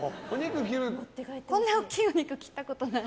こんな大きいお肉、切ったことない。